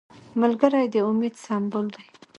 ملګری د امید سمبول دی